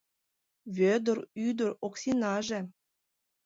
Вӧдыр ӱдыр Оксинаже